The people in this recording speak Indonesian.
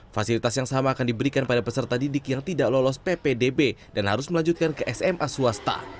fasilitas yang sama akan diberikan pada peserta didik yang tidak lolos ppdb dan harus melanjutkan ke sma swasta